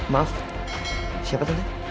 maaf siapa tadi